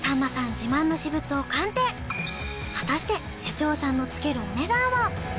自慢の私物を鑑定果たして社長さんの付けるお値段は？